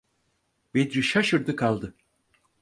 Bedri şaşırdı kaldı.